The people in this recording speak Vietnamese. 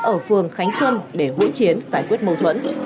ở phường khánh xuân để hỗn chiến giải quyết mâu thuẫn